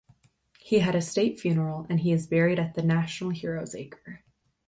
He had a State funeral, and he is buried at the National Heroes Acre.